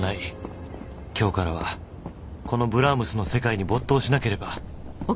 今日からはこのブラームスの世界に没頭しなければ！